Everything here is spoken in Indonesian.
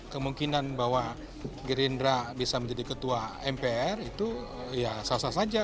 kemungkinan bahwa gerindra bisa menjadi ketua mpr itu ya sah sah saja